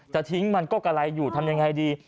จะทิ้งมันก็กะไรอยู่ทำยังไงดี